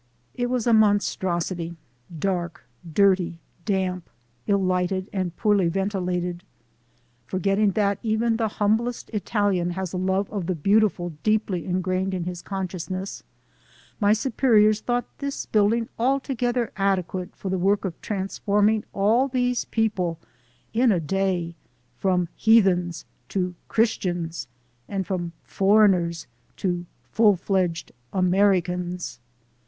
It was a monstrosity, dark, dirty, damp, ill lighted and poorly ventilated. Forgetting that even the humblest Italian has a love of the beautiful deeply ingrained in his consciousness, my superiors thought this building altogether adequate for the work of transforming all these people in a day from "heathens" to "Christians" and from "foreigners" to full fledged "Americans."